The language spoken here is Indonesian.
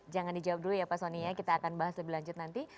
jangan dijawab dulu ya pak soni ya kita akan bahas lebih lanjut nanti